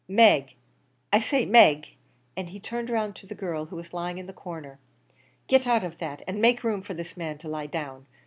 Meg! I say, Meg," and he turned round to the girl who was lying in the corner "get out of that, an' make room for this man to lie down.